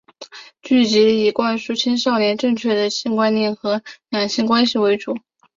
剧集内容以灌输青少年正确的性观念和两性关系为主。